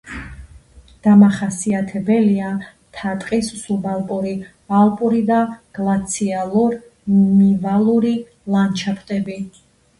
დამახასიათებელია მთა-ტყის, სუბალპური, ალპური და გლაციალურ-ნივალური ლანდშაფტები.